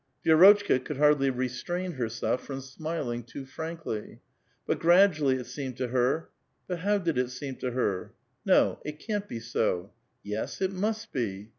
Vierotchka could liardly restrain herself from smiling too frankly; Imt gradually it seemed to her — but how did it seem to her? No ; it can't Ihj so ! Yes ; it must be